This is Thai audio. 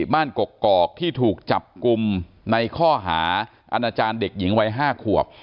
กกอกที่ถูกจับกลุ่มในข้อหาอาณาจารย์เด็กหญิงวัย๕ขวบ